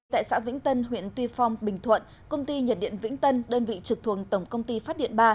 tại xã vĩnh tân huyện tuy phong bình thuận công ty nhiệt điện vĩnh tân đơn vị trực thuộc tổng công ty phát điện ba